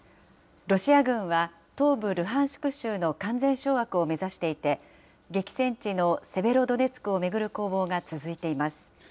ロシア軍は、東部ルハンシク州の完全掌握を目指していて、激戦地のセベロドネツクを巡る攻防が続いています。